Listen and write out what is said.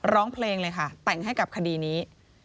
ร้องเพลงเลยค่ะแต่งให้กับคดีนี้